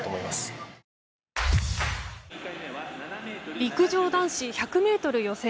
陸上男子１００ｍ予選。